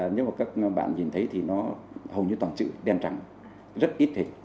nhưng mà các bạn nhìn thấy thì nó hầu như toàn chữ đen trắng rất ít thể